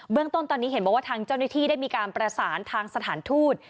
เรื่องต้นตอนนี้เห็นบอกว่าทางเจ้าหน้าที่ได้มีการประสานทางสถานทูต